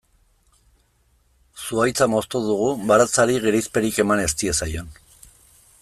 Zuhaitza moztu dugu baratzari gerizperik eman ez diezaion.